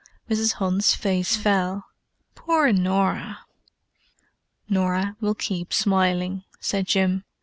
Mrs. Hunt's face fell. "Poor Norah!" "Norah will keep smiling," said Jim.